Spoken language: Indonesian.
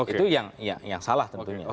itu yang salah tentunya